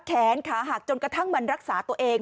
แขนขาหักจนกระทั่งมันรักษาตัวเอง